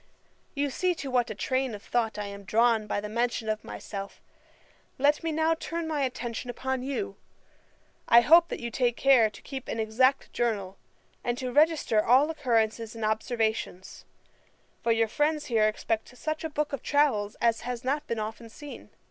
'You see to what a train of thought I am drawn by the mention of myself. Let me now turn my attention upon you. I hope you take care to keep an exact journal, and to register all occurrences and observations; for your friends here expect such a book of travels as has not been often seen.